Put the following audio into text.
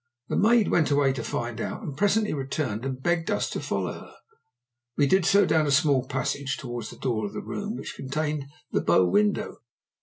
The maid went away to find out, and presently returned and begged us to follow her. We did so down a small passage towards the door of the room which contained the bow window.